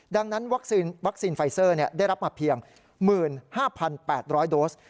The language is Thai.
ดังนั้นวัคซีนไฟเซอร์ได้รับมาเพียง๑๕๘๐๐โดส